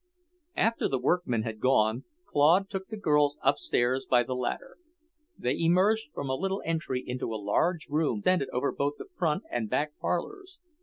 After the workmen had gone, Claude took the girls upstairs by the ladder. They emerged from a little entry into a large room which extended over both the front and back parlours.